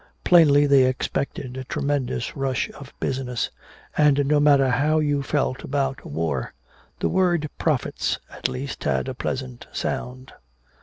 Plainly they expected a tremendous rush of business. And no matter how you felt about war, the word "profits" at least had a pleasant sound.